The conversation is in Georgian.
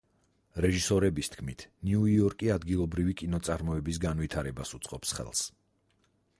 რეჟისორების თქმით ნიუ-იორკი ადგილობრივი კინო წარმოების განვითარებას უწყობს ხელს.